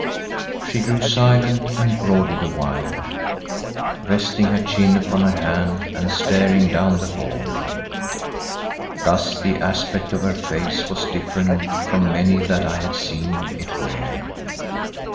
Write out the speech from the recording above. She grew silent and brooded a while, resting her chin upon her hand and staring down the hall. Thus the aspect of her face was different from any that I had seen it wear.